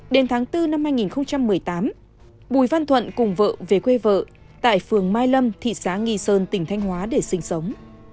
đến tháng bốn năm hai nghìn một mươi tám bùi văn thuận cùng vợ về quê vợ tại phường mai lâm thị xã nghi sơn tỉnh thanh hóa để sinh sống